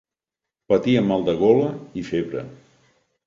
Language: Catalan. Patia mal de gola i febre.